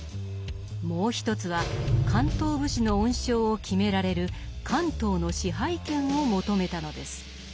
もう一つは関東武士の恩賞を決められる関東の支配権を求めたのです。